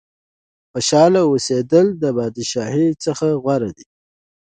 خوشاله اوسېدل د بادشاهۍ څخه غوره دي.